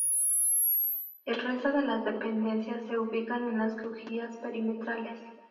El resto de las dependencias se ubican en las crujías perimetrales.